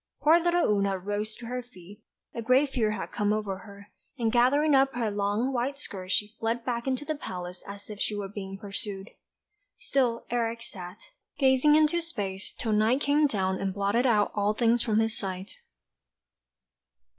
Poor little Oona rose to her feet; a great fear had come over her; and gathering up her long white skirts she fled back into the palace as if she were being pursued. Still Eric sat, gazing into space, till night came down and blotted out all things from his sight.